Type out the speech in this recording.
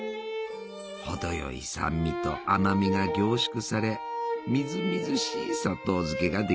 程よい酸味と甘みが凝縮されみずみずしい砂糖漬けができるんじゃ。